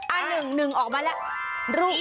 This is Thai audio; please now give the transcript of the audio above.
๑๑ออกมาแล้ว